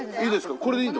これでいいの？